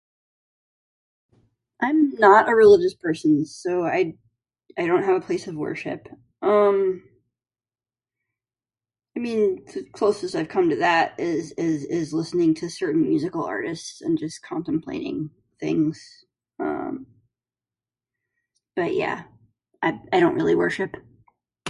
I'm not a religious person, so I I don't have a place of worship. Um, I mean the closest I've come to that is is is listening to certain musical artists and just contemplating things. Um, but yeah, I I don't really worship.